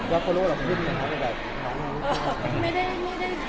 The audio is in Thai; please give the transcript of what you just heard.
แล้วเขารู้ว่าเหรอขึ้นหรือเปล่า